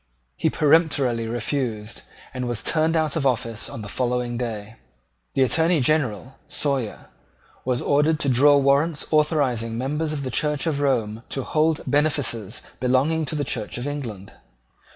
He peremptorily refused, and was turned out of office on the following day. The Attorney General, Sawyer, was ordered to draw warrants authorising members of the Church of Rome to hold benefices belonging to the Church of England.